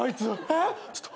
えっ？